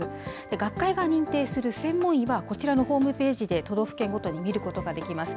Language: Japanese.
学会が認定する専門医は、こちらのホームページで都道府県ごとに見ることができます。